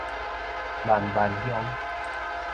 萬巒鄉